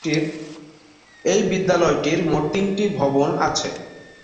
এই বিদ্যালয়টির মোট তিনটি ভবন আছে।